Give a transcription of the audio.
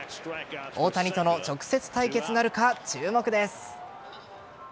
大谷との直接対決なるか注目です。